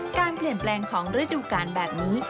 การเปลี่ยนแปลงของฤดูกาลแบบนี้